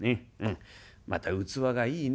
また器がいいね。